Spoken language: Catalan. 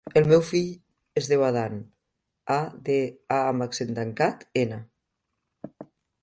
El meu fill es diu Adán: a, de, a amb accent tancat, ena.